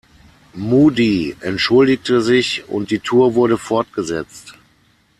Moody entschuldigte sich und die Tour wurde fortgesetzt.